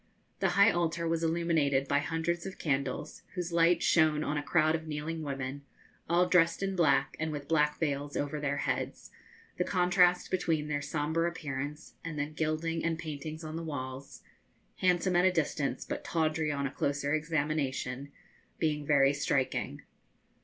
The high altar was illuminated by hundreds of candles, whose light shone on a crowd of kneeling women, all dressed in black, and with black veils over their heads, the contrast between their sombre appearance and the gilding and paintings on the walls handsome at a distance, but tawdry on a closer examination being very striking.